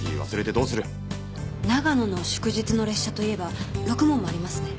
長野の祝日の列車といえばろくもんもありますね。